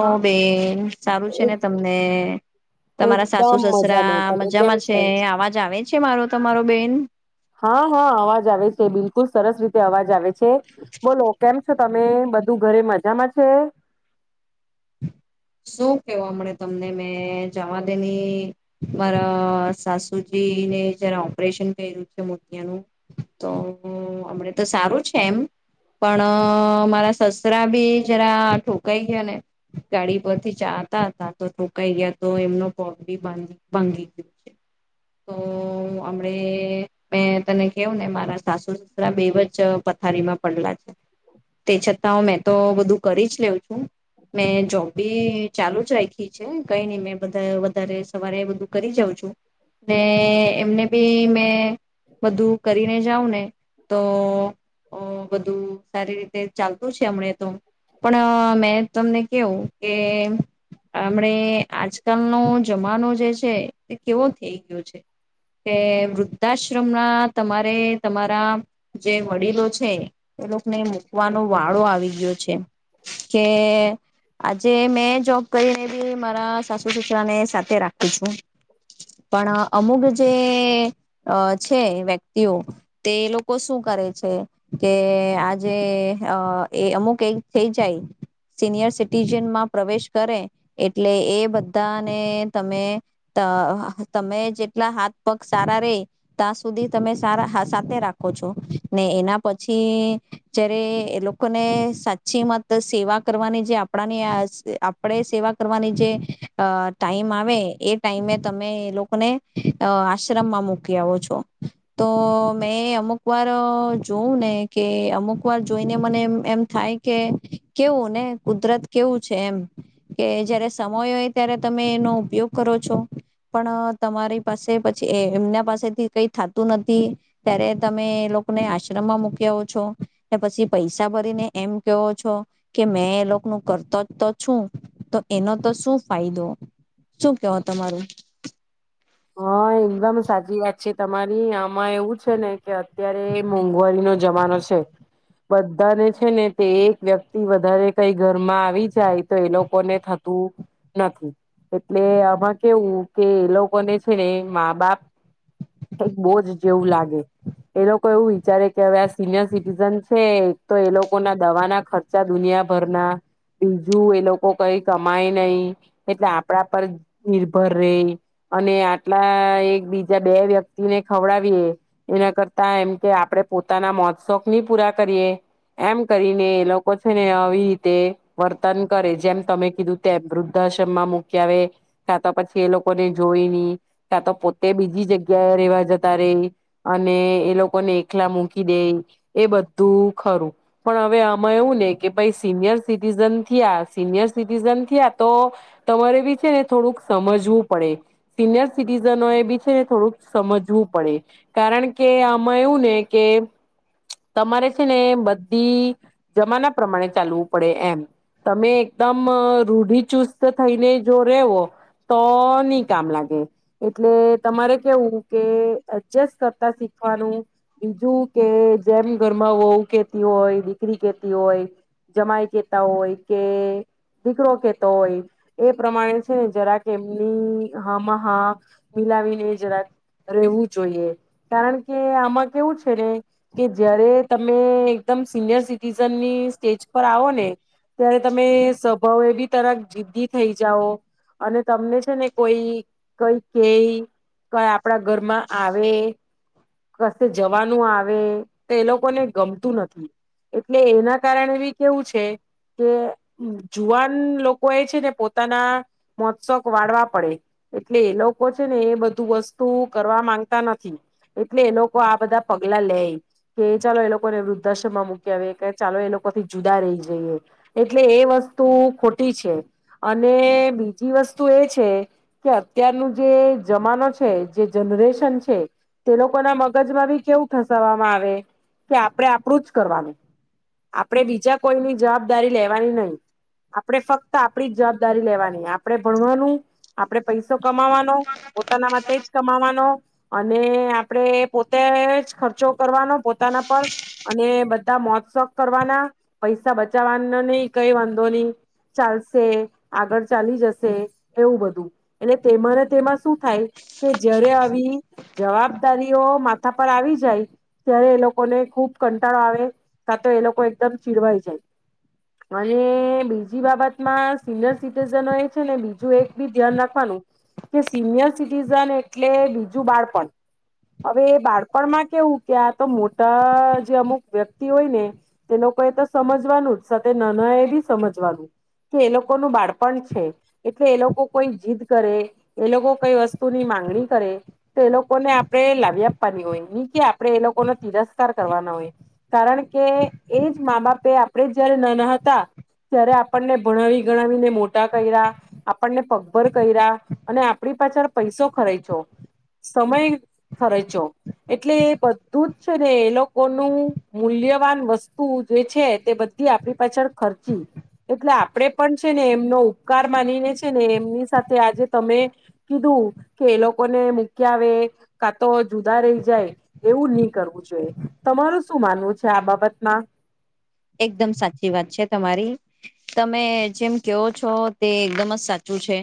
હા બેન સારું છે ને તમને તમારા સાસુ એકદમ સસરા મજામાં તમે કેમ મજામાં છે છો? આવાજ આવે છે મારો તમારો બેન હા હા અવાજ આવે છે બિલકુલ સરસ રીતે અવાજ આવે બોલો કેમ છો તમે બધું ઘરે મજામાં છે શું કેવાે તમને મેં જવા દેની મારા સાસુજીને જરા ઓપરેશન કર્યું છે મોતિયાનું તો અમને તો સારું છે એમ પણ મારા સસરા બી જરા ઠોકાઈ ગયા ને ગાડી પરથી ચાતા હતા તો ટોકાઈ ગયા તો એમનો પગ ગાડી પરથી જાતા હતા તો ઠૉકાય ગયા તો એમનો. પ ગ ભંગી ગયયો છે તો હમણે મેં તને કેવું ને મારા સાસુ સસરા બે વ જ પથારીમાં પડેલા છે તે છતાં હ મેં તો બધું કરી જ લેઉં છું મેં જોબ બી ચાલુ જ રાખી છે કઈ નહી મેં બધા વધારે સવારે બધું કરી જાઉં છું ને એમને બી મેં બધું કરીને જાઉં ને તો બધું સારી રીતે ચાલતું છે હમને તો પણ મેં તમને કેવું કે આમણે આજકાલનો જમાનો જે છે એ કેવો થઈ ગયો છે કે વૃદ્ધાશ્રમમાં તમારે તમારા જે વડીલો છે એ લોકોને મૂકવાનો વાળો આવી ગયો છે કે આજે મેં જો કઈને બી મારા સાસુ સુુસરા ને સાથે રાખ [inaudible] પછું પણ અમુક જ જે છે વ્યક્તિઓ તે લોકો શું કરે છે કે આજે અહ એ અમુક એક થઇ જાય સિનિયર સિટીઝનમાં પ્રવેશ કરે એટલે એ બધાને તમે તમે જેટલા હાથ પગ સારા રે ત્યાં સુધી તમે સારા સાથે રાખો છો, ને એના પછી જય્યારે લોકોને સાચી મત સેવા કરવાની જે આપ આપણાની આપડે સેવા કરવાની જે અ ટાઈમ આવે એ ટાઈમે તમે એ લોકોને આશ્રમમાં મૂકી આવો છો, તો મેં અમુક વાર જોવું ને કે અમુક વાર જોઈને મને એમ થાય કે કેવું ને કુદરત કેવું છે એમ, કે જયારે સમય હોય ત્યારે તમે એનો ઉપયોગ કરો છો, પણ તમારી પાસે પછી એમના પાસેથી કઈ થતું નથી, ત્યારે તમે એ લોકોને આશ્રમમાં મૂક આવ છો કે પછી પૈસા ભરીને એમ કેવો છો કે મેં એ લોકોનું કરતો જ તો છું, તો એનો તો શું ફાયદો શું કેવો તમારું? હા, એકદમ સાચી વાત છે, તમારી એમાં એવું છે ને કે અત્યારે મોંઘવારીનો જમાનો છે. બધાને છે ને તે એક વ્યક્તિ વધારે કઈ ઘરમાં આવી જાય તો એ લોકોને થતું નથી, એટલે આમાં કેવું કે એ લોકોને ને મા બાપ એક બોજ જેવું લાગે, એ લોકો એવું વિચારે કે હવે આ સિનિયર સિટીઝન છે તો એ લોકો ના દવાના ખર્ચા દુનિયાભરના, બીજું એ લોકો કઈ કમાય નઈ એટલે આપડા પર નિર્ભર રે અને એટલા એક બીજા બે વ્યક્તિને ખવડાવીએ એના કરતા એમ કે આપડે પોતાના મોતશોક ની પૂરા કરીએ એમ કરીને એ લોકો છે ને આવી રીતે વર્તન કરે, જેમ તમે કીધું તેમ વૃદ્ધાશ્રમમાં મૂકી આવે, કા તો પછી એ લોકોને જોઈ ની કા તો પોતે બીજી જગ્યાએ રહેેવા જતા રે અને એ લોકોને એકલા મૂકીદે એ બધું ખરું, પણ હવે આમાં એવું ને કે ભાઈ સિનિયર સિટીઝન થયા સિનિયર સિટીઝન થયા તો તમારે બી છે ને થોડુંક સમજવું પડે, સિનિયર સિટીઝનો એ બી છે ને થોડુંક સમજવું પડે, કારણ કે આમાં એવું ને કે તમારે છે ને બધી જમાના પ્રમાણે ચાલવું પડે એમ, તમે એકદમ રૂઢિચુસ્ત થઈને જો રેવો તો નઈ કામ લાગે એટલે તમારે કેવું કે ચેસ કરતા શીખવાનું, બીજું કે જેમ ઘરમાં વહુ કેતી હોય, દીકરી કેતી હોય, જમાય કેતા હોય, કે દીકરો કેતો હોય, એ પ્રમાણે છેને જરા કે એમની હામાં હા મિલાવીને જરાક રહેવું જોઈએ, કારણ કે આમાં કેવું છે ને કે જયારે તમે એકદમ સિનિયર સિટીઝનની સ્ટેજ પર આવો ને ત્યારે તમે સ્વભાવ એ બી તર જિદદી થઈ જાઓ અને તમને છે ને કોઈ કઈ કઈ કે, કોઈ આપડા ઘરમાં આવે, કશે જવાનું આવે તો એ લોકોને ગમતું નથી, એટલે એના કારણે એ કેવું છે કે જુવાન લોકો એ છે ને પોતાના મોત્સોક વાળવા પડે, એટલે એ લોકો ને એ બધું વસ્તુ કરવા માંગતા નથી, એટલે એ લોકો આ બધા પગલા લે કે ચાલો એ લોકોને વૃદ્ધાશ્રમમાં મૂક આવે, કે ચાલો એ લોકો થી જુદા રહી જઈએ, એટલે એ વસ્તુ ખોટી છે અને બીજી વસ્તુ એ છે કે અત્યારનું જે જમાનો છે જે જનરેશન છે તે લોકો ના મગજમાં બી કેવું થસવામાં આવે કે આપડે આપડુ જ કરવાનું, આપડે બીજા કોઈની જવાબદારી લેવાની નઈ, આપડે ફક્ત આપડી જવાબદારી લેવાની આપડે ભણવાનું, આપડે પૈસો કમાવાનું પોતા માટે જ કમાવાનો અને આપડે પોતે જ ખર્ચો કરવાનો પોતાના પર અને બધા મોજ શોખ કરવાના, પૈસા બચાવવાનો નઈ, કઈ વાંધો નઈ ચાલશે આગળ ચાલી જશે એવું બધું એટલે તેમને તેમાં શું થાય કે જ્યારે આવી જવાબદારીઓ માથ થા પર આવી જાય ત્યારે એ લોકોને ખુબ કંટાળો આવે, કા તો એ લોકો એકદમ ચીડવાઈ જાય અને બીજી બાબતમાં સિનિયર સિટીઝનો એ છે ને બીજું એક બી ધ્યાન રાખવાનું કે સિનિયર સિટીઝન એટલે બીજું બાળપણ. હવે એ બાળપણમાં કેવું કે આ તો મોટા જે અમુક વ્યક્તિ હોય ને તે લોકો એ તો સમજવાનું જ, સાથે નાના એ બી સમજવાનું કે એ લોકોનું બાળપણ છે એટલે એ લોકો કોઈ જીદ કરે એ લોકો કઈ વસ્તુની માંગણી કરે, તો એ લોકોને આપણે લાવી આપવાની હોય ની કે આપણે એ લોકોનો તિરસ્કાર કરવાના હોય કારણ કે એજ મા બાપે આપણે જયારે નાના હતા ત્યારે આપણને ભણાવી ગણાવીને મોટા કર્યા આપણને પગભર કર્યા અને આપડી પાછળ પૈસો ખરેચો, સમય ખરેર્ચો, એટલે એ બધું જ છે ને એ લોકોનું મૂલ્યવાન વસ્તુ જે છે તે બધી આપડી પાછળ ખર્ચી, એટલે આપણેે પણ છે ને એમનો ઉપકાર માનીને છે ને એમની સાથે આજે તમે કીધું કે એ લોકોને મૂક્યાવે, કાતો જુદા રહી જાય એવું ની કરવું જોઈએ, તમારું શું માનવું છે, આ બાબતમાં? એકદમ સાચી વાત છે તમારી. તમે જેમ કેવો છો તે એકદમ જ સાચું છે,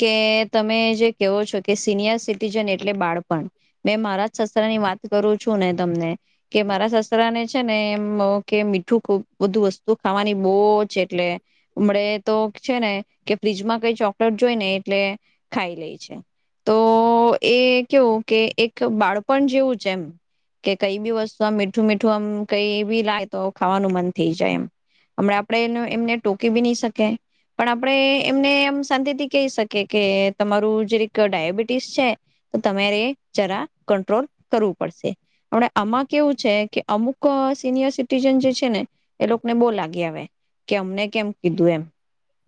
કે તમે જે કેહો છો કે સિનિયર સિટીજન એટલે બાળપણ, મેં મારા સસરા ની વાત કરું છું ને તમને કે મારા સસરા ને છે ને એમ કે મીું ખ બધું વસ્તુ ખાવાની બહુ જ એટલે હમડે તો છે ને કે ફ્રીજમાં કઈ ચોકલેટ જોઈ ને એટલે ખાઈ લે છે, તો એ કેવું કે એક બાળપણ જેવું છે એમ કે કઈ બી વસ્તુ આમ મીઠું મીઠું આમ કઈ બી લાય તો ખાવાનું મન થઈ જાય એમ. હમણા આપણે એમને ટોકી બી નહી શકે પણ આપણે એમને એમ શાંતિથી કહી શકે કે તમારું જક ડાયાબિટીસ છે, તો તમારે જરા કંટ્રોલ કરવું પડશે, આમાં કેવું છે કે અમુક સિનિયર જે છે ને એલોકો ને બોવ લાગી આવે કે અમને કેમ કીધું એમ,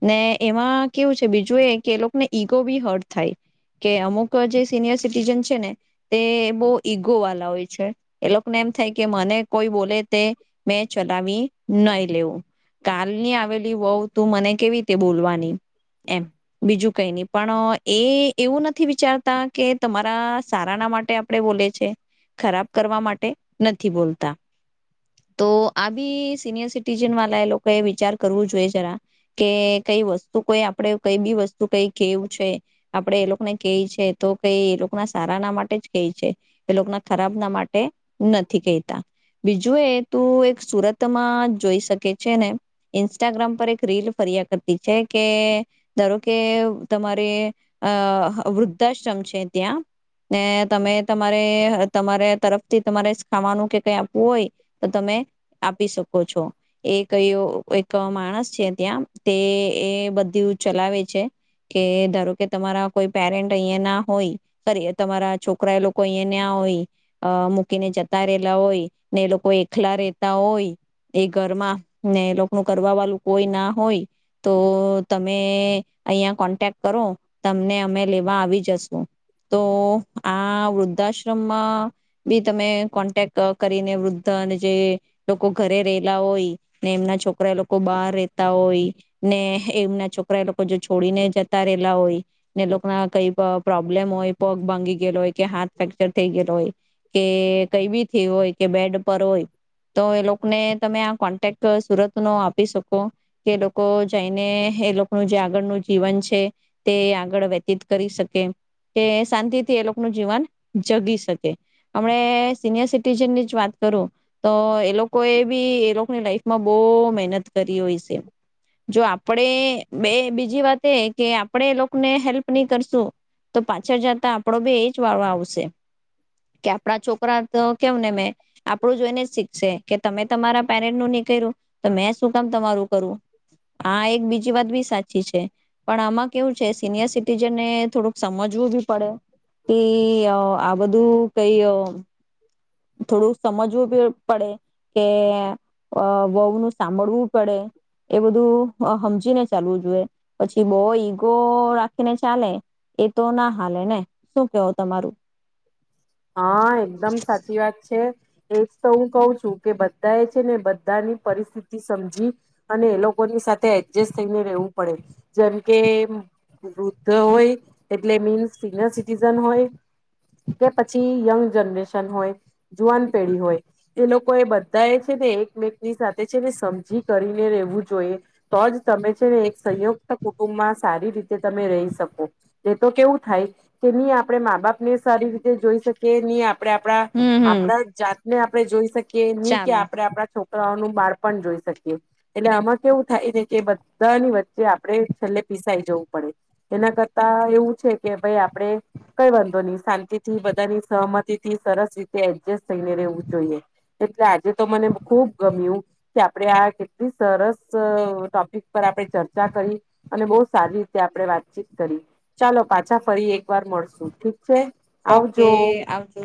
ને એમાં કેવું છે બીજું એ કે એ લોકોને ઈગો બી હટ થાય, કે અમુક જે સિનિયર સિટીન છે ને તે બહ ઈગો વાલા હોય છે, એ લોકોને એમ થાય કે મને કોઈ બોલે તે મેં ચલાવી નઈ લેવું. કાલની આવેલી વહવ તું મને કેવી રીતે બોલવાની એમ, બીજું કઈ ની પણ એ એવું નથી વિચારતા કે તમારા સારાના માટે આપણે બોલે છે, ખરાબ કરવા માટે નથી બોલતા. તો આભી સિનિયર સિટીજન વાલા એ લોકો ક વિચાર કરવું જોઈએ જરા કે કઈ વસ્તુ કોઈ આપડે કઈ બી વસ્તુ કઈ કેવું છે, આપડે એ લોકોને ક છે તો કઈ એ લોકોના સારા ના માટે જ ક છે, એ લોકો ના ખરાબ ના માટે નથી કહેતા બીજું એ તું એક સુરતમાં જોઈ શકે છે ને ઇન્સ્ટાગ્રામ પર એક રીલ ફરિયા કરતી છે, કે ધારો કે તમારે અ વૃદ્ધાશ્રમ છે ત્યાં ને તમે તમારે તમારે તરફથી તમારે ખાવાનું કે કઈ આપવું હોય તો તમે આપી શકો છો, એ કયો એક માણસ છે ત્યાં તે એ બધું ચલાવે છે કે ધારો કે તમારા કોઈ પેરેન્ટ અહિયાં ના હોય, તમારા છોકરા એ લોકો અહીયા ના હોય, મૂકીને જતા રહેલા હોય, ને એ લોકો દખલા રહેેતા, હોય એ ઘરમાં ને એ લોકો નું કરવા વાળું કોઈ ના હોય, તો તમે અહીંયા કોન્ટેક્ટ કરો. તમને અમે લેવા આવી જશુ, તો આ વૃદ્ધાશ્રમમાં, બી તમે કોન્ટેક કરીને વૃદ અને જે, લોકો ઘરે રેલા હોય ને એમના છોકરા એ લોકો બહાર રેતા હોય. ને એમના છોકરા એ લોકો જો છોડીને જતા રહેલા હોય, ને લોકો ના કઈ પ્રોબ્લેમ હોય પગ ભાંગી ગયેલો હોય કે હાથ ફ્રેક્ચર થઈ ગયેલો હોય, કે કઈ બી થઈ હોય કે બેડ પર હોય, તો એ લોકોને તમે આ કોન્ટેક્ટ સુરત નો આપી શકો, કે એ લોકો જઈને એ લોકો જે આગળનું જીવન છે, તે આગળ વ્યતીત કરી શકે કે શાંતિથી એ લોકોનું જીવન જગી શકે, હમણા સિનિયર સિટીઝન ની જ વાત કરું, તો એ લોકો એ બી એ લોકોની લાઈફમાં બહ મહેનત કરી હોય છે, જો આપણેે બે બીજી વાત એ કે આપણેે એ લોકોને હેલ્પ નહી કરશું, તો પાછળ જતા આપડો બી એ જ વાળ આવશે, કે આપડા છોકરા તો કેવને મે આપડું જોઈને શીખશે કે તમે તમારા પેરેન્ટ નું નીક્યું, તો મેં શું કામ તમારું કરું, હા એક બીજી વાત બી સાચી છે, પણ આમાં કેવું છે સિનિયર સિટીઝનને થોડુંક સમજવું બી પડે, કે આ બધું કઈ થોડું સમજવું પડે કે, વહુ ન સાંભળવું પડે, એ બધું સમજીને ચાલવું જોઈએ પછી બહ ઈગો રાખીને ચાલે એ તો ના હાલે ને શું કેવો તમારું? હા એકદમ સાચી વાત છે, એજ તો હું કઉ છું કે બધા એ છે ને બધાની પરિસ્થિતિ સમજી, અને એ લોકોની સાથે એડજસ્ટ થઈને રેવું પડે, જેમ કે વૃદ્ધ હોય એટલે મી સિનિયર સિટીઝન હોય, કે પછી યંગ જનરેશન હોય, જુવાન પેઢી હોય, એ લોકો એ બધા એ છે ને એકમેકની સાથે છે ને સમજી કરીને રહેેવું જોઈએ, તો જ તમે છે ને એક સંયુક્ત કુટુંબમાં સારી રીતે તમે રહી શકો, એ તો કેવું થાય, કેની આપણે મા બાપ ને સારી જોઈ શકી નહી આપ આપણે આપણા, હમ હમ આપણા જાત ને આપણે જોઈ શકીએ. કે નહી કે ચાલો આપડે આપણા છોકરા નું બાળ પણ જોઈ શકીએ, એટલે આમાં કેવું થાય છે કે બધાની વચ્ચે આપડણે છેલ્લે પીસાઈ જવું પડે, એના કરતા એવું છે કે ભાઈ આપડે, કઈ વાંધો નહી શાંતિ થી બધાની સહમતી થી સરસ રીતે એડજસ્ટ થઈને રહેવું જોઈએ, એટલે આજે તો મને ખુબ ગમ્યું, કે આપડણે આ કેટલી સરસ ટોપિક પર આપણે ચર્ચા કરી, અને બહુ સારી રીતે આપણે વાતચીત કરી, ચાલો પાછા ફરી એક વાર મળશું ઠીક છે. ઓકે આવજો આવજો.